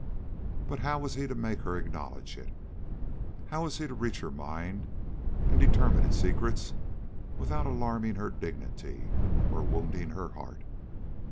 But how was he to make her acknowledge it? How was he to reach her mind and determine its secrets without alarming her dignity or wounding her heart?